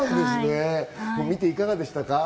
見ていかがでしたか？